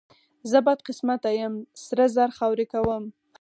زه بدقسمته یم، سره زر خاورې کوم.